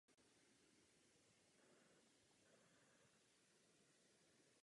Má staršího bratra Joea.